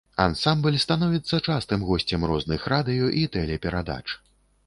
Ансамбль становіцца частым госцем розных радыё і тэлеперадач.